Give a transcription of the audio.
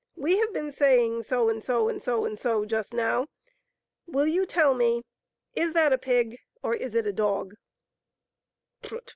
" We have been saying so and so and so and so, just now. Will you tell me, is that a pig, or tf it a dog?" " Prut !